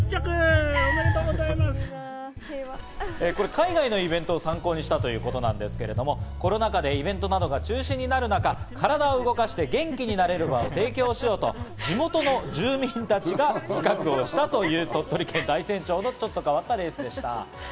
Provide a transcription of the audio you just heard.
海外のイベントを参考にしたということなんですけど、コロナ禍でイベントなどが中止になる中、体を動かして元気になれる場を提供しようと地元の住民たちが企画をしたという鳥取県大山町のちょっと変わったレースでした。